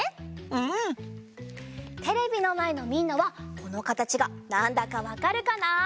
テレビのまえのみんなはこのかたちがなんだかわかるかな？